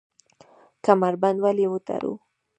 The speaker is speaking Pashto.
کمربند ولې وتړو؟